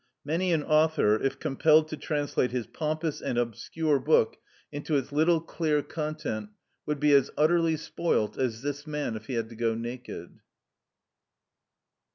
Many an author, if compelled to translate his pompous and obscure book into its little clear content, would be as utterly spoilt as this man if he had to go naked.